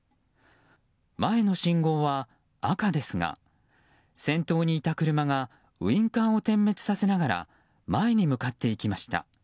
前の信号は赤ですが先頭にいた車がウィンカーを点滅させながら前に向かっていきました。